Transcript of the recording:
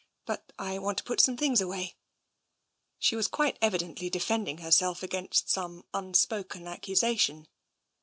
But I want to put some things away/' She was quite evidently defending herself against some unspoken accusation.